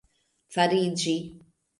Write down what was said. fariĝi